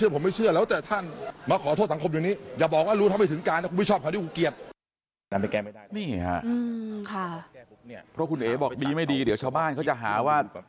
เพราะคุณเอ๋บอกดีไม่ดีเดี๋ยวชาวบ้านเขาจะหาว่า